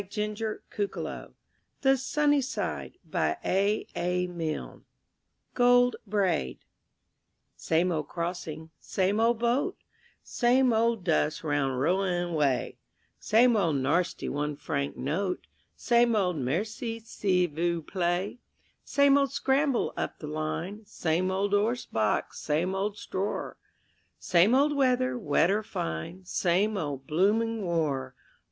("What babies they all are," said the very young god.) GOLD BRAID Same old crossing, same old boat, Same old dust round Rouen way, Same old narsty one franc note, Same old "Mercy, sivvoo play"; Same old scramble up the line, Same old 'orse box, same old stror, Same old weather, wet or fine, Same old blooming War.